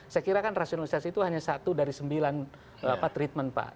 saya kira kan rasionalisasi itu hanya satu dari sembilan treatment pak